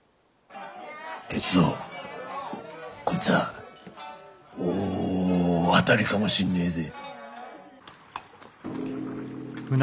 鉄三こいつあ大当たりかもしんねえぜ。